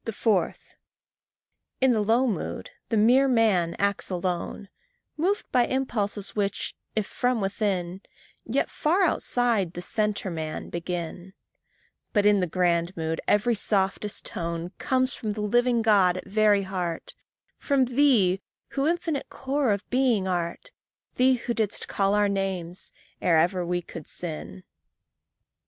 4. In the low mood, the mere man acts alone, Moved by impulses which, if from within, Yet far outside the centre man begin; But in the grand mood, every softest tone Comes from the living God at very heart From thee who infinite core of being art, Thee who didst call our names ere ever we could sin.